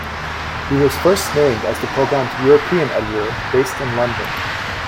He was first named as the program's European editor based in London.